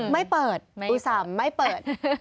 ไม่เปิดอุตส่ำไม่เปิด